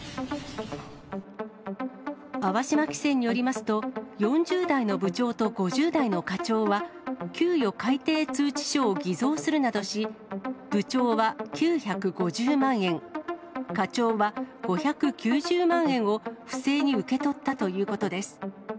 粟島汽船によりますと、４０代の部長と５０代の課長は、給与改定通知書を偽造するなどし、部長は９５０万円、課長は５９０万円を、不正に受け取ったということです。